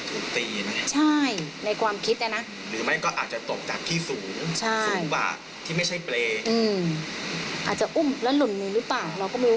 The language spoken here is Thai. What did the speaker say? อืมอาจจะอุ่มและหลุ่นหนึ่งหรือเปล่าเราก็ไม่รู้